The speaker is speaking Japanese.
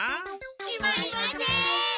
決まりません！